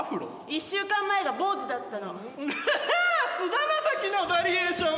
１週間前が坊主だったのフフッ菅田将暉のバリエーション